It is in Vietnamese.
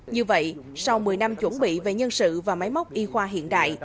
như vậy sau một mươi năm chuẩn bị về nhân sự và máy móc y khoa hiện đại